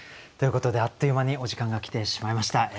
ということであっという間にお時間が来てしまいました。